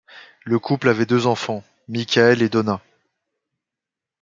Le couple avait deux enfants, Michael et Donna.